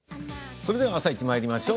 それでは「あさイチ」まいりましょう。